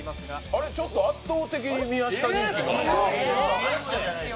あれっ、圧倒的に宮下人気が。